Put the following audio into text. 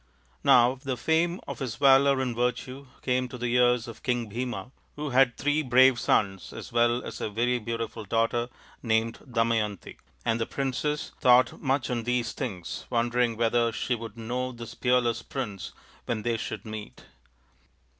Now the fame of his valour and virtue came to the ears of King Bhima, who had three brave sons as well as a very beautiful daughter named Damayanti ; and the princess thought much on these things, wondering whether she would know this peerless prince when they should meet.